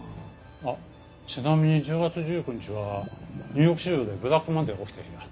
あっちなみに１０月１９日はニューヨーク市場でブラックマンデーが起きた日だ。